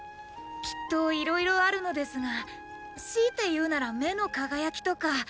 きっといろいろあるのですがしいて言うなら目の輝きとか。